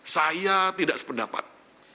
saya tidak sependapat